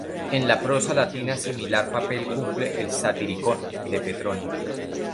En la prosa latina similar papel cumple "El Satiricón" de Petronio.